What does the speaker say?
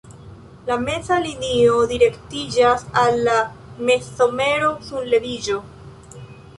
La meza linio direktiĝas al la mezsomero-sunleviĝo.